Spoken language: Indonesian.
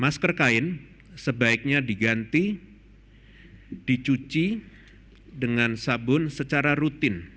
masker kain sebaiknya diganti dicuci dengan sabun secara rutin